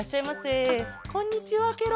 あっこんにちはケロ。